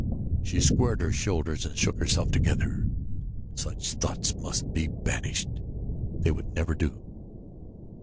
She squared her shoulders and shook herself together. Such thoughts must be banished they would never do.